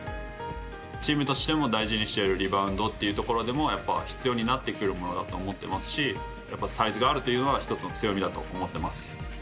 チームとしても大事にしているリバウンドというところでも必要になってくるものだと思っていますしサイズがあるというのは一つの強みだと思っています。